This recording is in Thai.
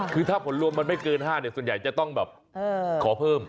คือถ้าผลรวมมันไม่เกิน๕ส่วนใหญ่จะต้องแบบขอเพิ่ม